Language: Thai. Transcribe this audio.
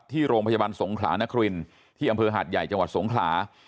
ที่โรงพยาบาลสงขลานครินที่อำเภอหาดใหญ่จังหวัดสงขลา